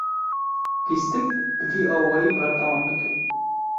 Lîstik bi vî awayî berdewam dike.